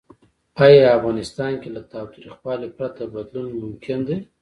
آیا افغانستان کې له تاوتریخوالي پرته بدلون ممکن دی؟